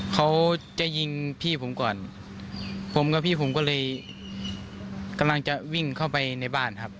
เขาจะยิงพี่ผมก่อนผมกับพี่ผมก็เลยกำลังจะวิ่งเข้าไปในบ้านครับ